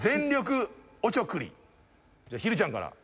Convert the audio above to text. じゃあひるちゃんから。